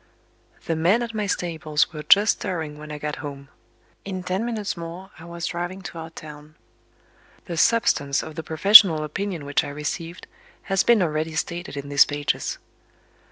The men at my stables were just stirring when I got home. In ten minutes more, I was driving to our town. The substance of the professional opinion which I received has been already stated in these pages.